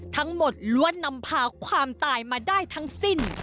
ล้วนนำพาความตายมาได้ทั้งสิ้น